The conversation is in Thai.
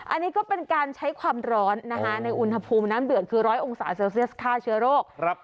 อันนี้ก็เป็นการใช้ความร้อนนะคะในอุณหภูมิน้ำเดือดคือ๑๐๐องศาเซลเซียสฆ่าเชื้อโรค